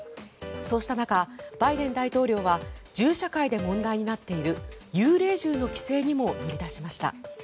そうした中、バイデン大統領は銃社会で問題になっている幽霊銃の規制にも乗り出しました。